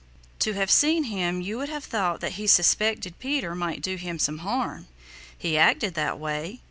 To have seen him you would have thought that he suspected Peter might do him some harm. He acted that way.